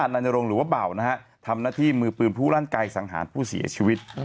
นายนรงค์หรือว่าเบานะฮะทำหน้าที่มือปืนผู้รั่นไกสังหารผู้เสียชีวิต